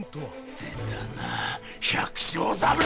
出たな百姓侍！